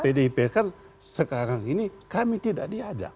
pdip kan sekarang ini kami tidak diajak